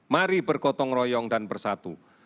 mari bergotong royong dan bersatu